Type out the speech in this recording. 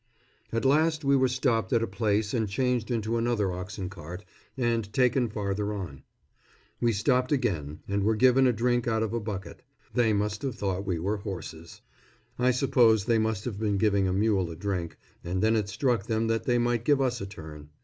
At last we were stopped at a place and changed into another oxen cart, and taken farther on. We stopped again, and were given a drink out of a bucket they must have thought we were horses. I suppose they must have been giving a mule a drink, and then it struck them that they might give us a turn.